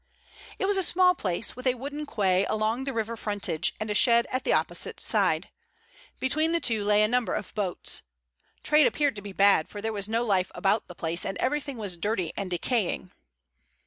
It was a small place, with a wooden quay along the river frontage and a shed at the opposite side. Between the two lay a number of boats. Trade appeared to be bad, for there was no life about the place and everything was dirty and decaying.